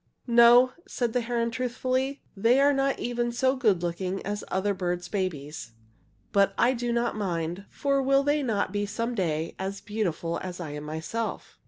"No," said the heron, truthfully, "they are not even so good looking as other birds' babies. But that I do not mind, for will they not some day be as beautiful as I myself?"